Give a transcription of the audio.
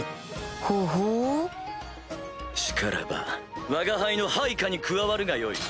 ほほうしからばわが輩の配下に加わるがよい。